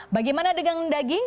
bagaimana dengan daging